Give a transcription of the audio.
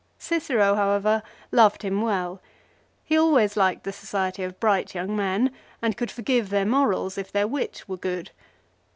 Cicero, however, loved him well. He always liked the society of bright young men, and could forgive their morals if their wit were good.